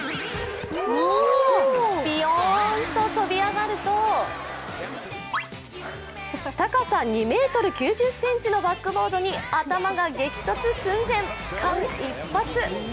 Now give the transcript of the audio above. びよんと跳び上がると高さ２ｍ９０ｃｍのバックボードに頭が激突寸前、間一髪。